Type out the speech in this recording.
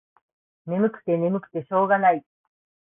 ねむくてねむくてしょうがない。